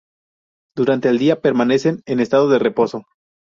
Durante el día permanecen en estado de reposo.